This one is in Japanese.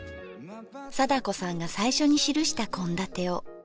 貞子さんが最初に記した献立を。